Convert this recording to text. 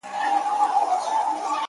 • زه پخپلو وزرونو د تیارې پلو څیرمه ,